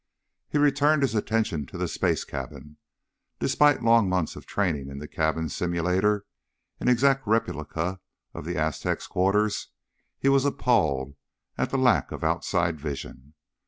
He returned his attention to the space cabin. Despite long months of training in the cabin simulator an exact replica of the Aztec quarters he was appalled at the lack of outside vision.